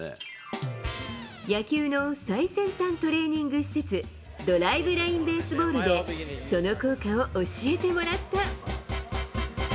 野球の最先端トレーニング施設、ドライブライン・ベースボールでその効果を教えてもらった。